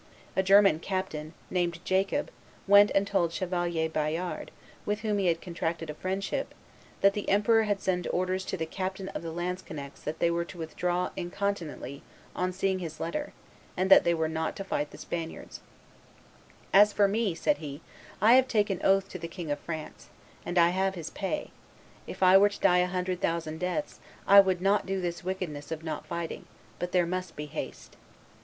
A German captain, named Jacob, went and told Chevalier Bayard, with whom he had contracted a friendship, "that the emperor had sent orders to the captain of the lanzknechts that they were to withdraw incontinently on seeing his letter, and that they were not to fight the Spaniards: 'As for me,' said he, 'I have taken oath to the King of France, and I have his pay; if I were to die a hundred thousand deaths, I would not do this wickedness of not fighting; but there must be haste.